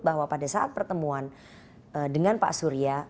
bahwa pada saat pertemuan dengan pak surya